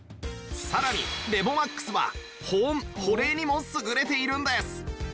さらにレボマックスは保温保冷にも優れているんです